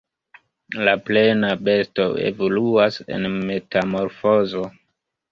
La plena besto evoluas en metamorfozo.